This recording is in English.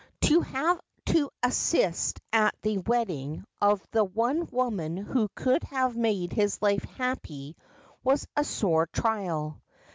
To have to assist at the wedding of the one woman who could have made his life happy was a sore trial.